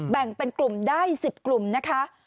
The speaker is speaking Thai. แบ่งเป็นกลุ่มได้๑๐กลุ่มนะคะ